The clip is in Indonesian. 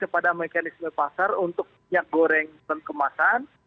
kepada mekanisme pasar untuk minyak goreng dan kemasan